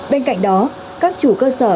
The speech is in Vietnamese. bên cạnh đó các chủ cơ sở